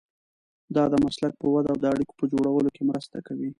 دا د مسلک په وده او د اړیکو په جوړولو کې مرسته کوي.